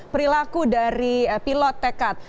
perilaku dari pilot tekad